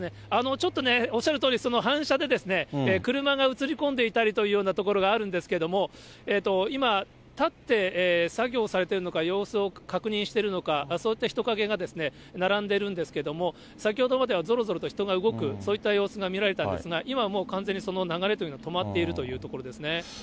ちょっとおっしゃるとおり、反射で車が映り込んでいたりというようなところがあるんですけれども、今、立って作業されているのか、様子を確認してるのか、そういった人影が並んでるんですけども、先ほどまではぞろぞろと人が動く、そういった様子が見られたんですが、今はもう完全にその流れというのは止まっているというところです